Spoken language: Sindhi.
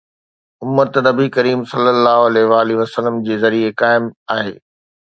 امت نبي ڪريم ﷺ جي ذريعي قائم آهي.